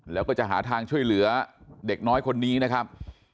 แล้วก็จะหาทางช่วยเหลือเด็กน้อยคนนี้นะครับ